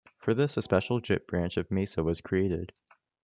For this, a special git branch of Mesa was created.